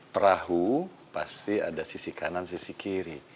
perahu pasti ada sisi kanan sisi kiri